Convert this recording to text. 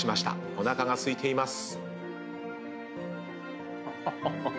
おなかがすいています。